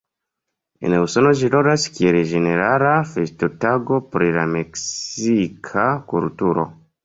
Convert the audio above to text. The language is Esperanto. En Usono ĝi rolas kiel ĝenerala festotago pri la meksika kulturo.